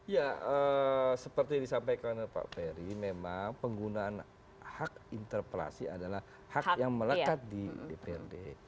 ya seperti disampaikan pak ferry memang penggunaan hak interpelasi adalah hak yang melekat di dprd